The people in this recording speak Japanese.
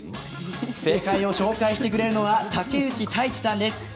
正解を紹介してくれるのは竹内太一さんです。